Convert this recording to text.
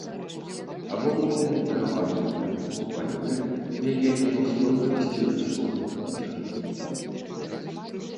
Абумоўлены пераважна недахопам валюты, яе няўстойлівасцю як сродку плацяжу.